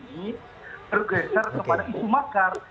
tergeser kepada isu makar oke